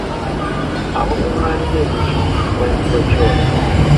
Awakuŋŋaanira emisu wayitibwa kyole.